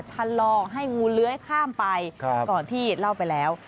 ชะลอให้งูเลื้อยข้ามไปก่อนที่เล่าไปแล้ว